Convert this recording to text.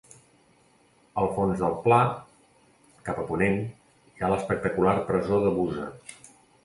Al fons del pla, cap a ponent, hi ha l'espectacular presó de Busa.